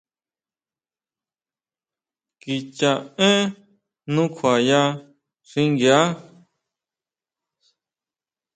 Kicha én nukjuaya xinguia.